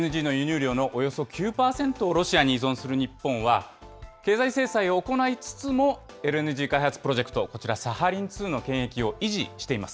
ＬＮＧの輸入量のおよそ９％をロシアに依存する日本は、経済制裁を行いつつもＬＮＧ開発プロジェクト、サハリン２の権益を維持しています。